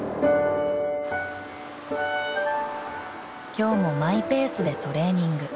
［今日もマイペースでトレーニング］